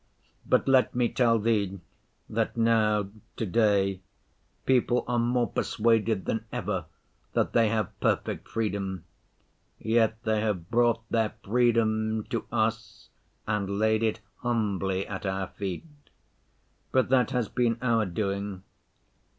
But let me tell Thee that now, to‐day, people are more persuaded than ever that they have perfect freedom, yet they have brought their freedom to us and laid it humbly at our feet. But that has been our doing.